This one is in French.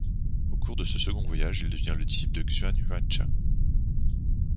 Au cours de ce second voyage, il devient le disciple de Xuan Huaichang.